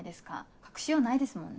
隠しようないですもんね。